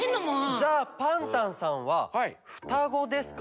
じゃあパンタンさんはふたごですか？